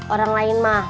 orang lain mah